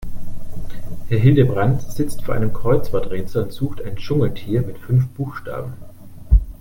Herr Hildebrand sitzt vor einem Kreuzworträtsel und sucht ein Dschungeltier mit fünf Buchstaben.